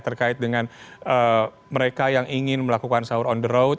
terkait dengan mereka yang ingin melakukan sahur on the road